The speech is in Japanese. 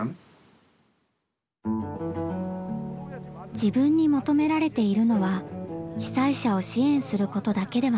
自分に求められているのは被災者を支援することだけではない。